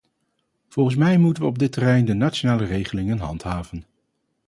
Volgens mij moeten wij op dit terrein de nationale regelingen handhaven.